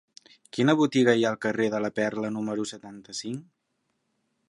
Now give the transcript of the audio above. Quina botiga hi ha al carrer de la Perla número setanta-cinc?